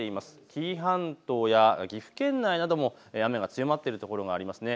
紀伊半島や岐阜県内なども雨が強まっている所がありますね。